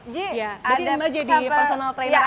jadi mbak jadi personal trainer aku ya